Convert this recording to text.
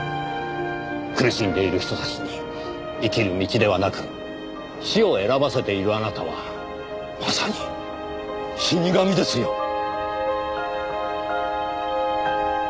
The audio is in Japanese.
苦しんでいる人たちに生きる道ではなく死を選ばせているあなたはまさに死神ですよ。